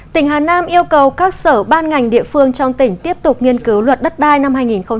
tỉnh hà nam yêu cầu các sở ban ngành địa phương trong tỉnh tiếp tục nghiên cứu luật đất đai năm hai nghìn một mươi chín